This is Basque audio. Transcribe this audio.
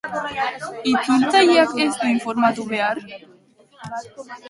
Itzultzaileak ez du informatu behar?